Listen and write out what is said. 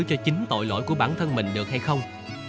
cho chính tội lỗi của bản thân mình được hay không